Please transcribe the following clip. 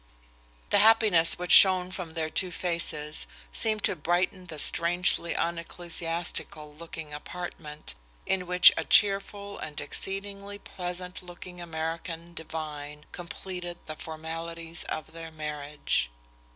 The happiness which shone from their two faces seemed to brighten the strangely unecclesiastical looking apartment, in which a cheerful and exceedingly pleasant looking American divine completed the formalities of their marriage.